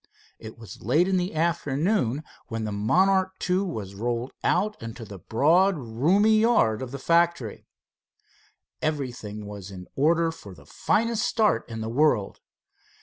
It was late in the afternoon when the Monarch II was rolled out into the broad roomy yard of the factory. Everything was in order for the finest start in the world.